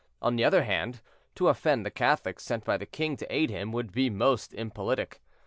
On the other hand, to offend the Catholics sent by the king to aid him would be most impolitic.